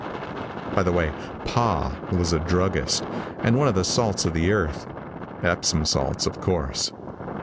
By the way, "Pa" was a druggist, and one of the salts of the earth Epsom salts, of course.